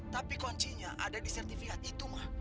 tapi kuncinya ada di sertifikat itu mah